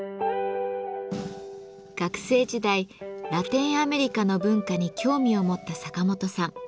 学生時代ラテンアメリカの文化に興味を持ったサカモトさん。